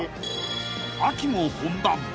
［秋も本番。